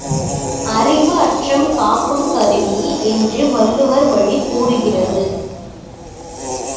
அறிவு அற்றம் காக்கும் கருவி என்று வள்ளுவர் வழி கூறுகிறது.